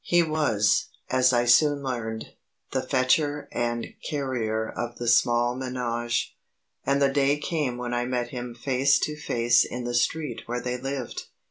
He was, as I soon learned, the fetcher and carrier of the small ménage; and the day came when I met him face to face in the street where they lived.